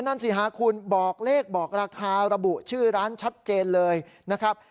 นั่นสิฮะคุณบอกเลขบอกราคาระบุชื่อร้านชัดเจนเลยนะครับ